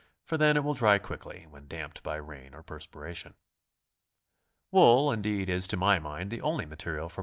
for then it will dry quickly vVhen damped by rain or perspiration. Wool, indeed, is to my mind the only material for BICYCLE TOURING.